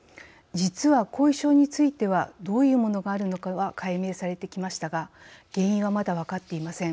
実は、後遺症についてはどういうものがあるのかは解明されてきましたが原因はまだ分かっていません。